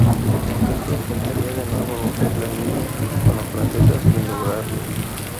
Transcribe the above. Este intentará de nuevo romper la línea hispano-francesa, sin lograrlo.